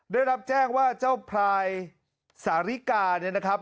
ได้รับแจ้งว่าเจ้าพลายสาริกาเนี่ยนะครับ